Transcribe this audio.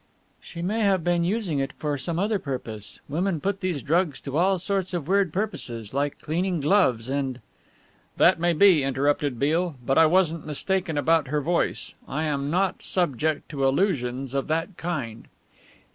"She may have been using it for some other purpose. Women put these drugs to all sorts of weird purposes, like cleaning gloves, and " "That may be," interrupted Beale, "but I wasn't mistaken about her voice. I am not subject to illusions of that kind."